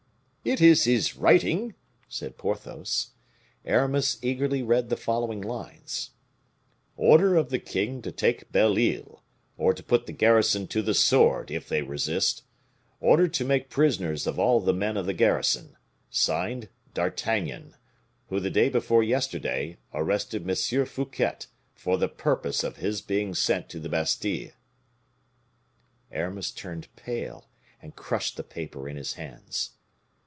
"It is his writing," said Porthos. Aramis eagerly read the following lines: "Order of the king to take Belle Isle; or to put the garrison to the sword, if they resist; order to make prisoners of all the men of the garrison; signed, D'ARTAGNAN, who, the day before yesterday, arrested M. Fouquet, for the purpose of his being sent to the Bastile." Aramis turned pale, and crushed the paper in his hands.